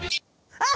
あっ！